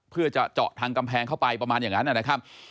เพื่อจะเจาะทางกำแพงเข้าไปประมาณอย่างนั้นนะครับ